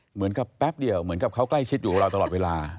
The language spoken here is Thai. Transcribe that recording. เหมือนกับแป๊บเดียวเหมือนกับเขาใกล้ชิดอยู่กับเราตลอดเวลา